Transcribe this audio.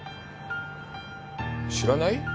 知らない？